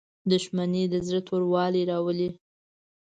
• دښمني د زړه توروالی راولي.